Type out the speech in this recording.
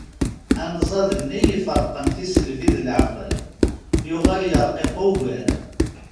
Anzaḍ-nni iferqen tisselbi d leεqel yuɣal yerqiq ugar.